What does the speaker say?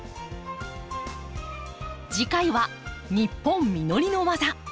次回は「ニッポン実りのわざ」。